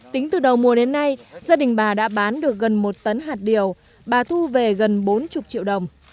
tính từ đầu mùa đến nay gia đình bà đã bán được gần một tấn hạt điều bà thu về gần bốn mươi triệu đồng